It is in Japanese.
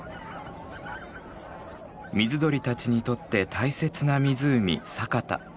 水鳥たちにとって大切な湖佐潟。